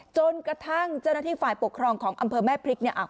จนกระทั่งเจ้าหน้าที่ฝ่ายปกครองของอำเภอแม่พริกเนี่ย